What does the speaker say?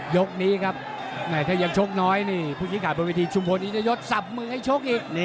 ยกนี้ครับถ้ายังชกน้อยนี่ผู้ชี้ขาดบนวิธีชุมพลนี้จะยดสับมือให้ชกอีก